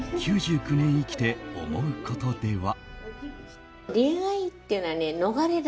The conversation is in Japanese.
９９年生きて思うこと」では。